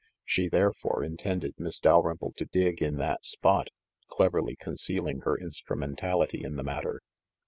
She, therefore, intended Miss Dalrymple to dig in that spot, cleverly concealing her instrumentality in the matter.